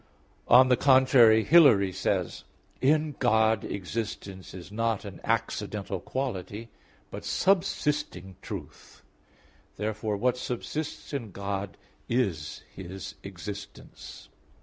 On the contrary, Hilary says (Trin. vii): "In God existence is not an accidental quality, but subsisting truth." Therefore what subsists in God is His existence.